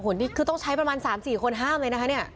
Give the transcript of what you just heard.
โอ้โหนี่คือต้องใช้ประมาณสามสี่คนห้ามเลยนะฮะเนี่ย